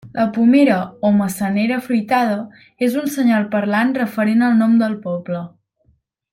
La pomera o maçanera fruitada és un senyal parlant referent al nom del poble.